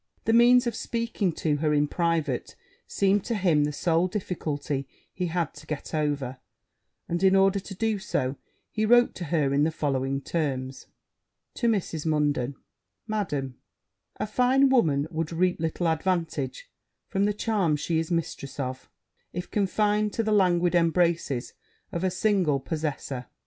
The means of speaking to her in private seemed to him the sole difficulty he had to get over: and, in order to do so, he wrote to her in the following terms. 'To Mrs. Munden. Madam, A fine woman would reap little advantage from the charms she is mistress of, if confined to the languid embraces of a single possesser.